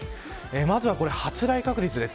まずは発雷確率です。